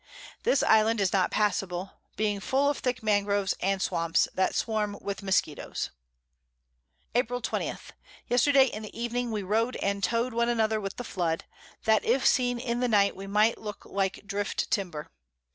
This Island is not passable, being full of thick Mangroves and Swamps, that swarm with Musketo's. April 20. Yesterday in the Evening we rowed and towed one another with the Flood, that if seen in the Night, we might look like Drift Timber.